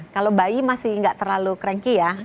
kalau bayi masih nggak terlalu cranky ya